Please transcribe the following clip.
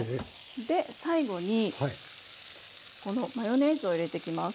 で最後にこのマヨネーズを入れてきます。